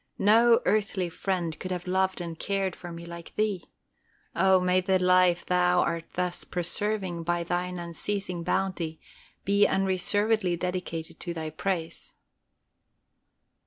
No earthly friend could have loved and cared for me like Thee. Oh may the life Thou art thus preserving by Thine unceasing bounty be unreservedly dedicated to Thy praise.